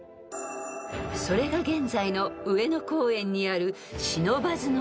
［それが現在の上野公園にある］